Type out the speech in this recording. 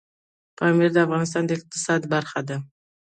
پامیر د افغانستان د اقتصاد برخه ده.